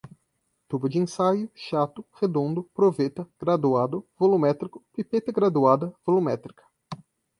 tubo de ensaio, chato, redondo, proveta, graduado, volumétrico, pipeta graduada, volumétrica